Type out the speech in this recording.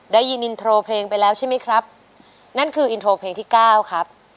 ได้ยินอินโทรเพลงไปแล้วใช่ไหมครับนั่นคืออินโทรเพลงที่เก้าครับ